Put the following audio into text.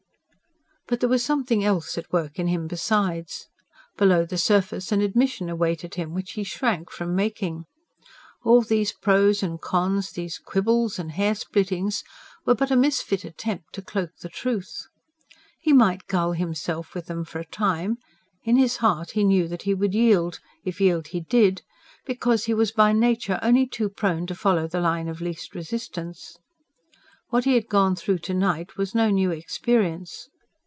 But there was something else at work in him besides. Below the surface an admission awaited him, which he shrank from making. All these pros and cons, these quibbles and hair splittings were but a misfit attempt to cloak the truth. He might gull himself with them for a time: in his heart he knew that he would yield if yield he did because he was by nature only too prone to follow the line of least resistance. What he had gone through to night was no new experience.